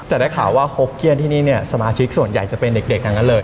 แต่ได้ข่าวว่าโฮกเกี้ยนที่นี่เนี่ยสมาชิกส่วนใหญ่จะเป็นเด็กทั้งนั้นเลย